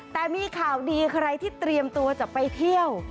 แต่มีข่าวดีใครที่เตรียมตัวจะไปเที่ยว